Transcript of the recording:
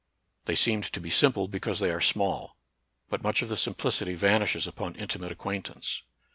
They seemed to be simple because they are small; but much of the simplicity vanishes upon inti mate acquaintance.